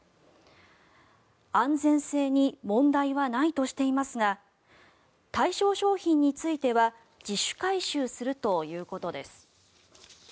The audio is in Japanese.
安全性に問題はないとしていますが対象商品については自主回収するということです。